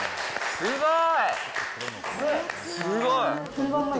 すごい。